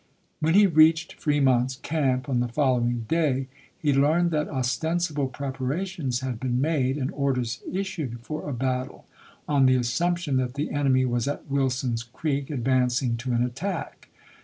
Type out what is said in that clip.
When he reached Fremont's camp, on the following day, he learned that ostensible prepara tions had been made and orders issued for a battle, on the assumption that the enemy was at Wilson's Creek advancing to an attack.